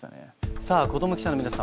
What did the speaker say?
さあ子ども記者の皆さん